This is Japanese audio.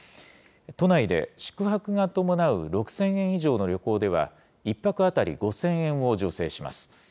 都内で宿泊が伴う６０００円以上の旅行では、１泊当たり５０００円を助成します。